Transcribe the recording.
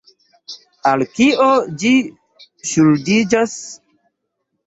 Al kio ĝi ŝuldiĝas?